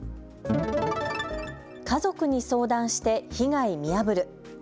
家族に相談して被害見破る。